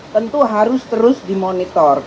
tentu harus terus dimonitor